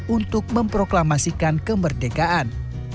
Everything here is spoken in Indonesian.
untuk memproklamasikan kemerdekaan